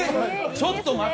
ちょっと待て！